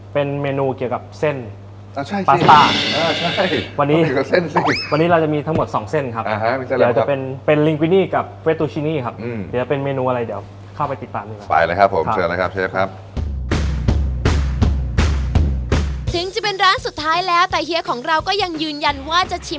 เป็นเมนูเกี่ยวกับเส้นอ่าใช่สิปลาสตาร์อ่าใช่วันนี้เกี่ยวกับเส้นสิ